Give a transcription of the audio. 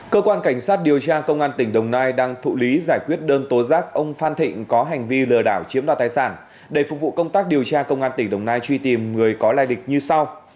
cơ quan cảnh sát điều tra công an tỉnh đồng nai đang thụ lý giải quyết đơn tố giác ông phan thịnh có hành vi lừa đảo chiếm đoạt tài sản để phục vụ công tác điều tra công an tỉnh đồng nai truy tìm người có lai lịch như sau